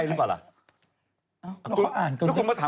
ไอเก่เท่า